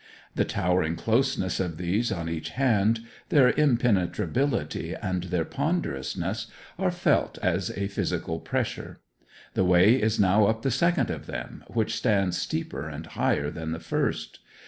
The towering closeness of these on each hand, their impenetrability, and their ponderousness, are felt as a physical pressure. The way is now up the second of them, which stands steeper and higher than the first.